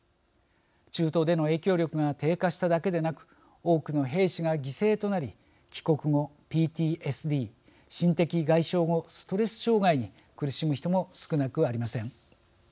中東での影響力が低下しただけでなく多くの兵士が犠牲となり帰国後、ＰＴＳＤ＝心的外傷後ストレス障害に苦しむ人も少なくありません。